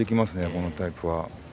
このタイプは。